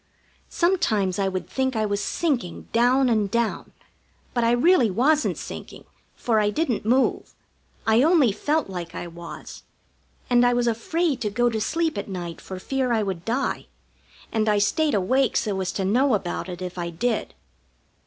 Sometimes I would think I was sinking down and down, but I really wasn't sinking, for I didn't move. I only felt like I was, and I was afraid to go to sleep at night for fear I would die, and I stayed awake so as to know about it if I did.